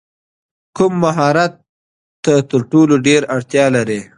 کوم مهارت ته تر ټولو ډېره اړتیا لرې؟